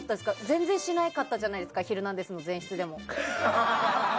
全然しなかったじゃないですか「ヒルナンデス！」の前室でも。